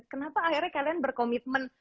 kenapa akhirnya kalian berkomitmen